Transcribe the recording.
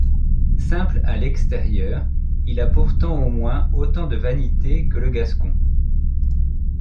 Simple à l'extérieur, il a pourtant au moins autant de vanité que le Gascon.